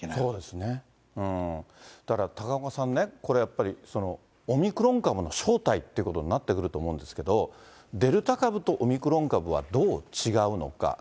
そうですね、だから高岡さんね、これやっぱり、オミクロン株の正体ということになってくると思うんですけど、デルタ株とオミクロン株はどう違うのか。